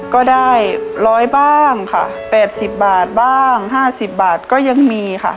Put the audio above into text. ก็ได้ร้อยบ้างค่ะแปดสิบบาทบ้างห้าสิบบาทก็ยังมีค่ะ